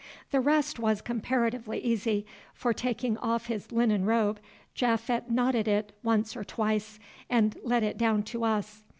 The rest was comparatively easy, for taking off his linen robe, Japhet knotted it once or twice, and let it down to us.